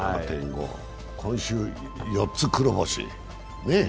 今週４つ黒星。